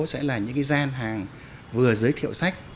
sẽ là những gian hàng vừa giới thiệu sách